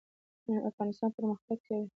افغانستان به پرمختګ کوي